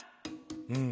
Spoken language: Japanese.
うん。